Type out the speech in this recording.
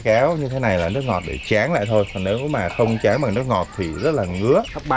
kéo như thế này là nước ngọt để chán lại thôi nếu mà không chán bằng nước ngọt thì rất là ngứa có ba